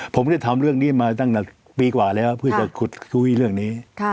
ผมได้ทำเรื่องนี้มาตั้งแต่ปีกว่าแล้วเพื่อจะขุดคุยเรื่องนี้